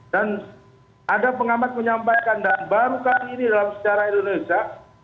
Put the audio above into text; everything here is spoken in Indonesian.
dan ada pengamat menyampaikan dan baru kali ini dalam secara indonesia